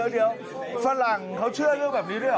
เดี๋ยวฝรั่งเขาเชื่อเรื่องแบบนี้ด้วยเหรอ